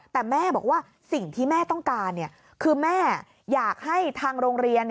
แต่แม่บอกว่าสิ่งที่แม่ต้องการคือแม่อยากให้ทางโรงเรียน